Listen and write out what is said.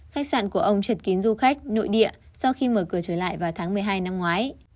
khách sạn của ông trượt kín du khách nội địa sau khi mở cửa trở lại vào tháng một mươi hai năm ngoái